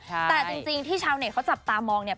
แต่จริงที่ชาวเน็ตเขาจับตามองเนี่ย